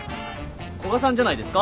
古賀さんじゃないですか？